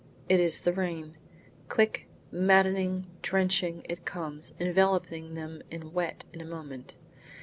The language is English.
It is the rain. Quick, maddening, drenching, it comes; enveloping them in wet in a moment.